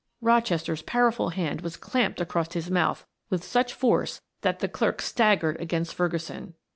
Rochester's powerful hand was clapped across his mouth with such force that the clerk staggered against Ferguson.